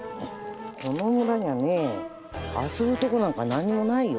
この村にはね遊ぶとこなんかなんにもないよ。